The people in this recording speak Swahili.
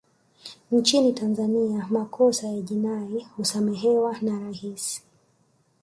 nchini tanzania makosa ya jinai husamehewa na rais